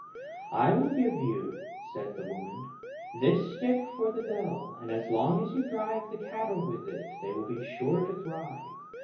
"I will give you," said the woman, "this stick for the bell, and as long as you drive the cattle with it they will be sure to thrive.